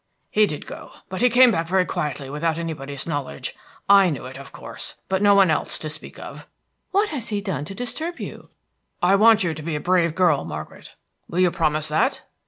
"He did go; but he came back very quietly without anybody's knowledge. I knew it, of course; but no one else, to speak of." "What has he done to disturb you?" "I want you to be a brave girl, Margaret, will you promise that?"